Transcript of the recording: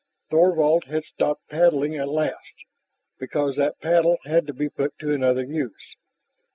Thorvald had stopped paddling at last, because that paddle had to be put to another use.